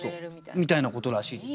みたいなことらしいです。